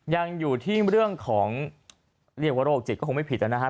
ยังอยู่ที่เรื่องของเรียกว่าโรคจิตก็คงไม่ผิดนะครับ